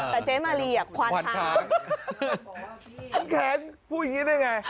แต่เจ๊มารีควานช้าง